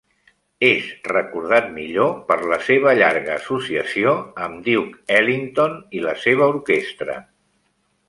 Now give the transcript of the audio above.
És recordat millor per la seva llarga associació amb Duke Ellington i la seva orquestra.